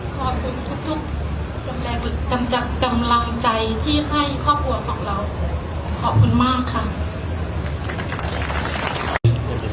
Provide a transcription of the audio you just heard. ขอบคุณทุกทุกทั้งแรงจังหลังใจที่ให้ข้อควรของเราขอบคุณมากค่ะ